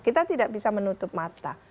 kita tidak bisa menutup mata